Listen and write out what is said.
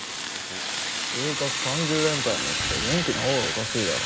就活３０連敗もして元気なほうがおかしいだろ。